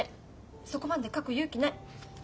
そこまで書く勇気ない。